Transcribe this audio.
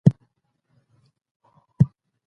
ښوونځي د ماشومانو د اعتماد فضا رامنځته کوي.